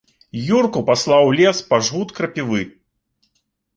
Юрку паслаў у лес па жгут крапівы.